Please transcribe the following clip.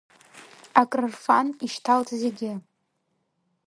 Акрырфан, ишьҭалт зегьы.